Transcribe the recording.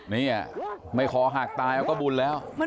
นี่ไม่ขอหากตายเอาก็บุญแล้ว